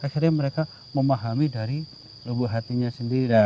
akhirnya mereka memahami dari lubuk hatinya sendiri